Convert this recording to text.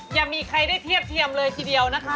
ยังมีใครได้เทียบเทียมเลยทีเดียวนะคะ